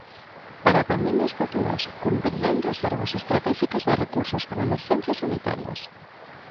Para pandemias futuras cumprirán reservas estratéxicas de recursos para emerxencias sanitarias.